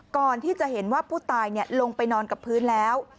ก่อนที่จะเห็นว่าผู้ตายลงไปนอนกับพื้นแล้ว